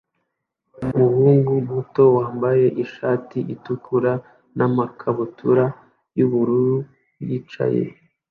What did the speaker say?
umuhungu muto wambaye ishati itukura namakabutura yubururu yicaye